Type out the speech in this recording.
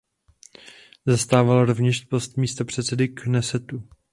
Zastával rovněž post místopředsedy Knesetu.